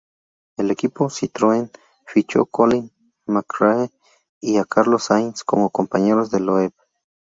El equipo Citroën fichó Colin McRae y a Carlos Sainz como compañeros de Loeb.